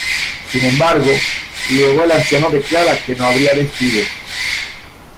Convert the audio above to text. Sin embargo, luego el anciano declara que no habría despidos.